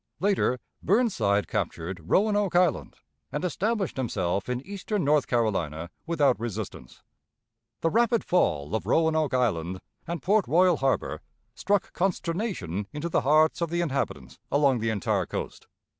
Later, Burnside captured Roanoke Island, and established himself in eastern North Carolina without resistance. The rapid fall of Roanoke Island and Port Royal Harbor struck consternation into the hearts of the inhabitants along the entire coast.